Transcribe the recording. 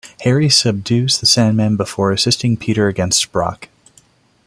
Harry subdues the Sandman before assisting Peter against Brock.